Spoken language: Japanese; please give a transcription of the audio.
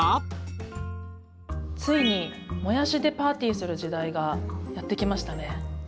ついにもやしでパーティーする時代がやって来ましたね。